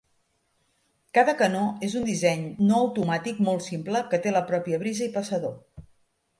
Cada canó és un disseny no automàtic molt simple que té la pròpia brisa i passador.